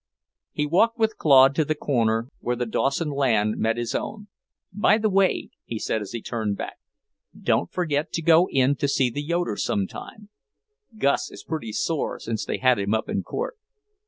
He walked with Claude to the corner where the Dawson land met his own. "By the way," he said as he turned back, "don't forget to go in to see the Yoeders sometime. Gus is pretty sore since they had him up in court.